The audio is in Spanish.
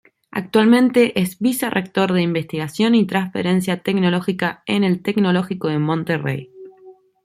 Actualmente es Vicerrector de Investigación y Transferencia Tecnológica en el Tecnológico de Monterrey.